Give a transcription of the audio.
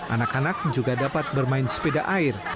anak anak juga dapat bermain sepeda air